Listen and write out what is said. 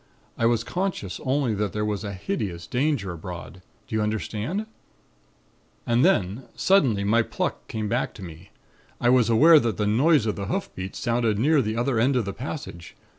I was conscious only that there was a hideous danger abroad. Do you understand? "And then, suddenly, my pluck came back to me. I was aware that the noise of the hoof beats sounded near the other end of the passage.